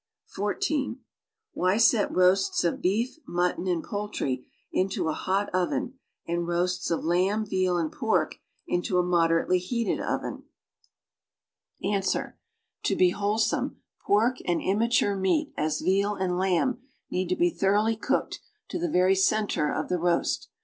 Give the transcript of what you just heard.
(14) Why set roasts of beef, mutton and poultry into a hot oven and roasts of lamb, veal and pork into a uujderately heated oven.^ 85 Ans. To be wholesome, pork and immature meat, as veal and lamb, need to be thoroughly cooked to the very center of the roast.